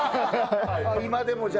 今でもじゃあ。